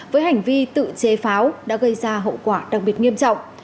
với hành vi tự chế pháo đã gây ra hậu quả đặc biệt nghiêm trọng